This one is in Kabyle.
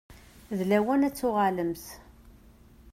D lawan ad tuɣalemt.